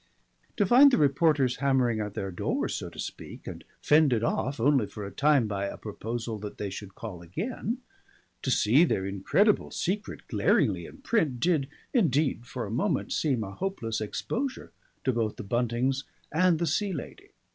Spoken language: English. To find the reporters hammering at their doors, so to speak, and fended off only for a time by a proposal that they should call again; to see their incredible secret glaringly in print, did indeed for a moment seem a hopeless exposure to both the Buntings and the Sea Lady.